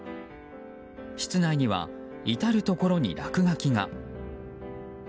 室内には、至るところに落書きが。